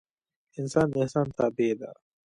انسان د احسان تابع ده